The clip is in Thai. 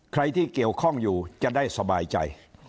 ใครที่เกี่ยวข้องอยู่จะได้สบายใจ